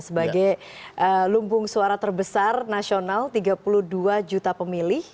sebagai lumbung suara terbesar nasional tiga puluh dua juta pemilih